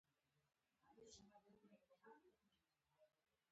قلم دګوټو جوړوم درځمه